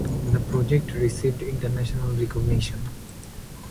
The project received international recognition.